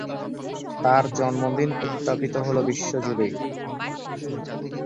তাঁর জন্মদিন উদ্যাপিত হলো বিশ্বজুড়েই।